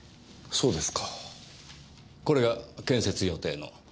そうです。